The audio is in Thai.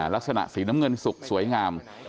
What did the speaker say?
ลักษณะสีน้ำเงินสุกสวยงาม